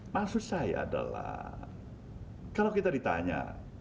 maksud saya adalah kalau kita ditanya